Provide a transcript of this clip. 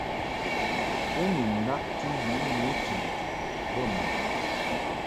U ni naʼti yu nu chaŋti bə mɨ ?